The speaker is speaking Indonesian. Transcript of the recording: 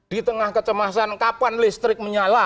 di tengah kecemasan kapan listrik menyala